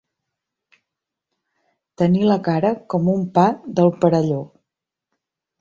Tenir la cara com un pa del Perelló.